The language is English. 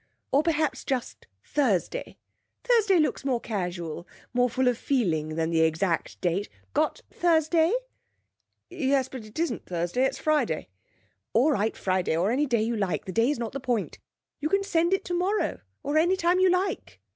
'Or, perhaps, just Thursday. Thursday looks more casual, more full of feeling than the exact date. Got Thursday?' 'Yes, but it isn't Thursday, it's Friday.' 'All right, Friday, or any day you like. The day is not the point. You can send it tomorrow, or any time you like.